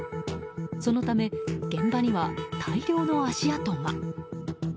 そのため現場には大量の足跡が。